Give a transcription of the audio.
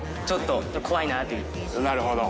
なるほど。